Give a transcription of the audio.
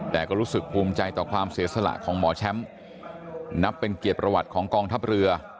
แต่ก็รู้สึกภูมิใจต่อความเสียสละของหมอแชมป์นับเป็นเกียรติประวัติของกองทัพเรือ